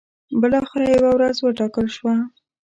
بالاخره یوه ورځ وټاکل شوه.